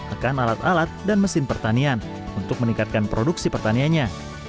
akan alat alat dan mesin pertanian untuk meningkatkan produksi pertaniannya